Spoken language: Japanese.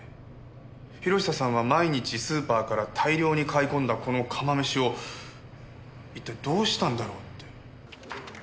博久さんは毎日スーパーから大量に買い込んだこの釜めしを一体どうしたんだろうって。